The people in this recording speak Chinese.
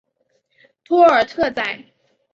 托尔特宰。